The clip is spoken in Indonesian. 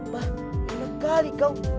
wah kenapa kali kau